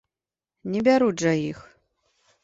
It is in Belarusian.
Не бяруць жа іх.